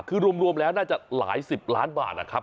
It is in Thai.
คือรวมแล้วน่าจะหลายสิบล้านบาทนะครับ